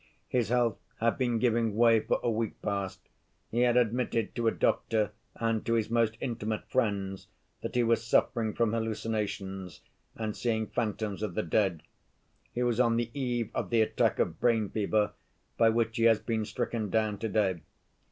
His health had been giving way for a week past: he had admitted to a doctor and to his most intimate friends that he was suffering from hallucinations and seeing phantoms of the dead: he was on the eve of the attack of brain fever by which he has been stricken down to‐day.